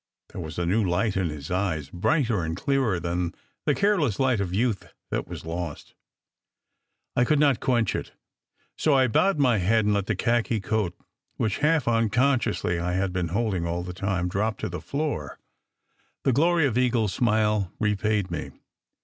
There was a new light in his eyes, brighter and clearer than the careless light of youth that was lost. I could not quench it. So I bowed my head and let the khaki coat, which half uncon sciously I had been holding all the time, drop to the floor. The glory of Eagle s smile repaid me.